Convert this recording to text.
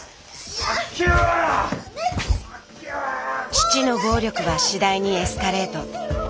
父の暴力は次第にエスカレート。